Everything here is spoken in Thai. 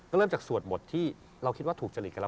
ก็เริ่มจากสวดหมดที่เราคิดว่าถูกจริตกับเรา